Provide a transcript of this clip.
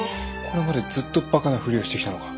これまでずっとバカなふりをしてきたのか？